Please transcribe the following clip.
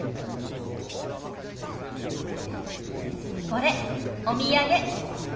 これお土産。